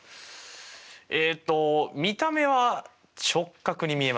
えっと見た目は直角に見えます。